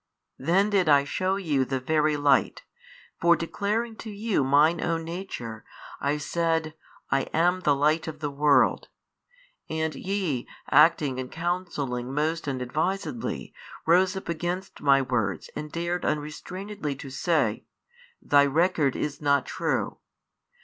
Then did I shew you the Very Light, for declaring to you Mine own Nature, I said, I am the light of the world, and YE acting and counselling most unadvisedly, rose up against My words and dared unrestrainedly to say, Thy record is not true.